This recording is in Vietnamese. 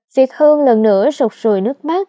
việt hương lần nữa rụt rùi nước mắt